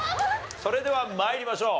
それでは参りましょう。